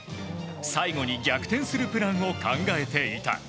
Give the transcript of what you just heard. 最後に逆転するプランを考えていた。